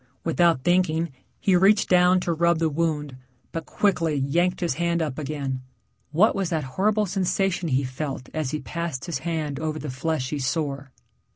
Without thinking he reached down to rub the wound, but quickly yanked his hand up again. What was that horrible sensation he felt as he passed his hand over the fleshy sore?